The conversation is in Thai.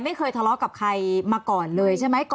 ไม่เคยทะเลาะกับใครมาก่อนเลยใช่ไหม